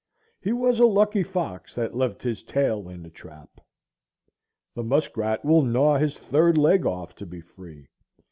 He was a lucky fox that left his tail in the trap. The muskrat will gnaw his third leg off to be free.